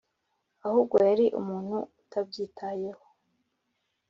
ahubwo, yari umuntu utabyitayeho.